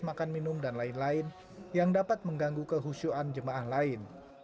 makan minum dan lain lain yang dapat mengganggu kehusyuan jemaah lain